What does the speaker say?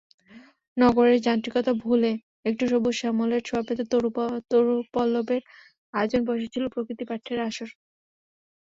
নগরের যান্ত্রিকতা ভুলে একটু সবুজ-শ্যামলের ছোঁয়া পেতে তরুপল্লবের আয়োজনে বসেছিল প্রকৃতিপাঠের আসর।